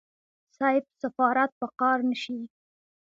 صيب سفارت په قار نشي.